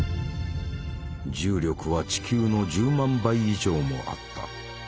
重力は地球の１０万倍以上もあった。